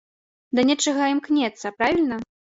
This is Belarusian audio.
Да нечага імкнецца, правільна?